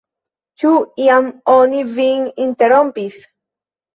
Ĉu iam oni vin interrompis?